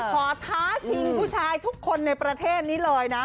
ท้าชิงผู้ชายทุกคนในประเทศนี้เลยนะ